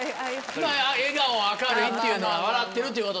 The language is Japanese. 笑顔明るいっていうのは笑ってるっていうことで。